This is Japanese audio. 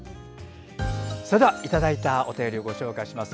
いただいたお便りをご紹介します。